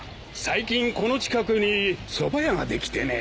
最近この近くにそば屋ができてね。